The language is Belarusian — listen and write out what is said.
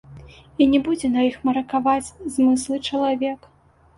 І не будзе на іх маракаваць змыслы чалавек.